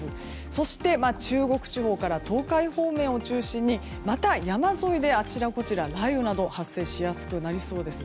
そして、中国地方から東海方面を中心にまた山沿いであちらこちら雷雨など発生しやすくなりそうです。